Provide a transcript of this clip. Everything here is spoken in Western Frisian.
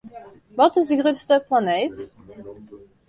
Wat is de grutste planeet?